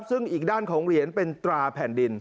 ซึ่งอีกด้านของเหรียญเป็นตราแผ่นดิน